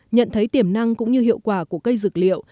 nhận thấy tiềm năng cũng như hiệu quả của cây dược liệu